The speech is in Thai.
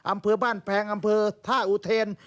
อำเภอบ้านแพงอำเภอท่าอุเทน